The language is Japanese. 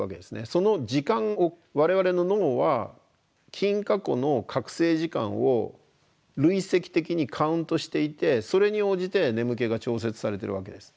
その時間を我々の脳は近過去の覚醒時間を累積的にカウントしていてそれに応じて眠気が調節されてるわけです。